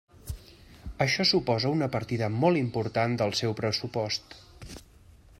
Això suposa una partida molt important del seu pressupost.